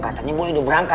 katanya boy udah berangkat